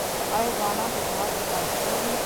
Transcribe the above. آیا ځوانان په هیواد کې پاتې کیږي؟